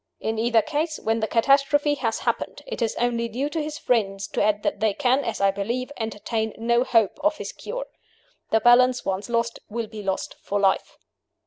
In either case, when the catastrophe has happened, it is only due to his friends to add that they can (as I believe) entertain no hope of his cure. The balance once lost, will be lost for life."